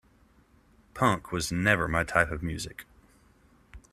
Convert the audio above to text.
Punk was never my type of music.